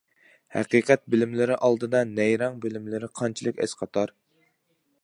ھەقىقەت بىلىملىرى ئالدىدا نەيرەڭ بىلىملىرى قانچىلىك ئەسقاتار؟ !